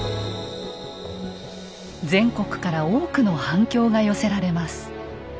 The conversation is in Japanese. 全国から多くの反響が寄せられます。